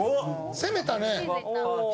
攻めたね。